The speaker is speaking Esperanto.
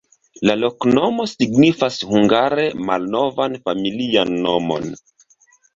La loknomo signifas hungare malnovan familian nomon.